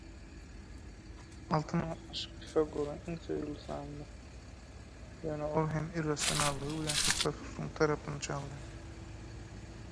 Altyn gatnaşyk Pifagoryň iň söýgüli sanydy, ýöne ol hem irrasionallygy bilen Hippasusyň tarabyny çaldy.